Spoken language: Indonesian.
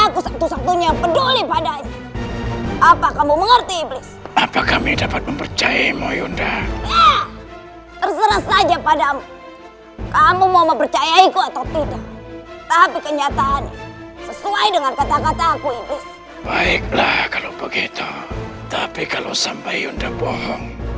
kenapa kamu meninggalkan bobo